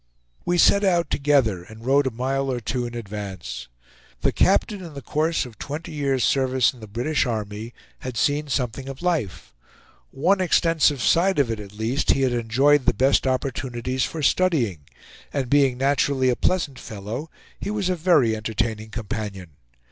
We set out together, and rode a mile or two in advance. The captain, in the course of twenty years' service in the British army, had seen something of life; one extensive side of it, at least, he had enjoyed the best opportunities for studying; and being naturally a pleasant fellow, he was a very entertaining companion.